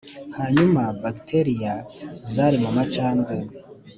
hanyuma bacteria zari mu macandwe